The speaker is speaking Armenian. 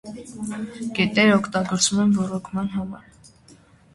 Գետերը օգտագործվում են ոռոգման համար։